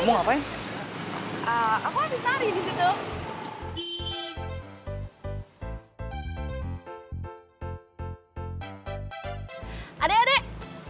makasih ya kak